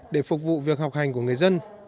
để phục vụ việc học hành của người dân